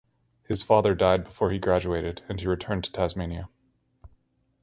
His father died before he graduated and he returned to Tasmania.